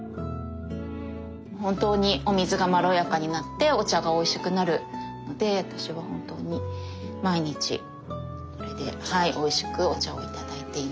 本当にお水がまろやかになってお茶がおいしくなるので私は本当に毎日これでおいしくお茶をいただいています。